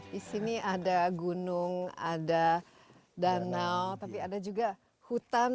di sini ada gunung ada danau tapi ada juga hutan